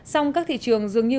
xong các thị trường dường như